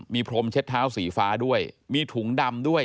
มีพรมเช็ดเท้าสีฟ้าด้วยมีถุงดำด้วย